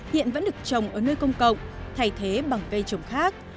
hiện vẫn được trồng ở nơi công cộng thay thế bằng cây trồng khác